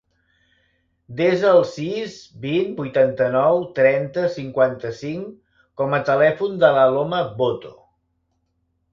Desa el sis, vint, vuitanta-nou, trenta, cinquanta-cinc com a telèfon de l'Aloma Boto.